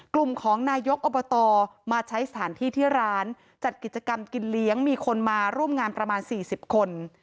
กลุ่มของนายกอบตมาใช้สถานที่ที่ร้านจัดกิจกรรมกินเลี้ยงมีคนมาร่วมงานประมาณ๔๐คน